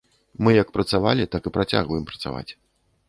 Мы як працавалі, так і працягваем працаваць.